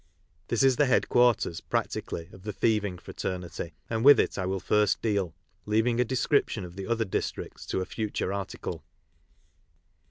This is the head quarters, practically, of the thieving fraternity, and with it I will first deal, leaving a description of ^ the other districts to a future article.